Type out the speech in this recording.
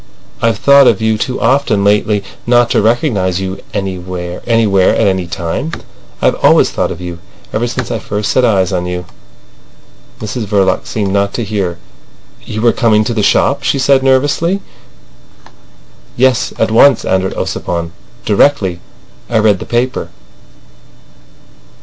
I've thought of you too often lately not to recognise you anywhere, at any time. I've always thought of you—ever since I first set eyes on you." Mrs Verloc seemed not to hear. "You were coming to the shop?" she said nervously. "Yes; at once," answered Ossipon. "Directly I read the paper."